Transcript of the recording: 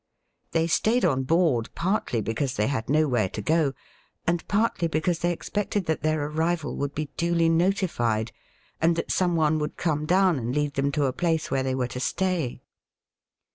They stayed on hoard partly because they had nowhere to go, and partly because they expected that their arrival would be duly notified, and that some one would come down and lead them to a place where they were to stay.